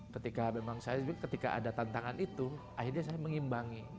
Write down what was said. ketika memang saya ketika ada tantangan itu akhirnya saya mengimbangi